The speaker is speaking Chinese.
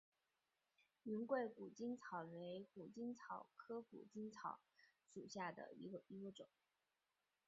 云贵谷精草为谷精草科谷精草属下的一个种。